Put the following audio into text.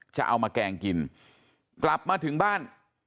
จะเอามาแกงกินกลับมาถึงบ้าน